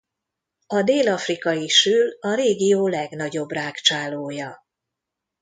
A dél-afrikai sül a régió legnagyobb rágcsálója.